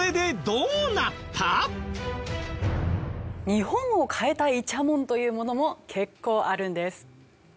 日本を変えたイチャモンというものも結構あるんです。